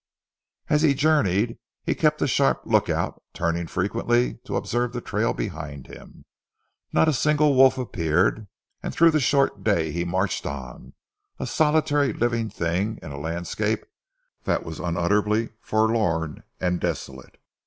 As he journed he kept a sharp look out, turning frequently to observe the trail behind him. Not a single wolf appeared, and through the short day he marched on, the solitary living thing in a landscape that was unutterably forlorn and desolate.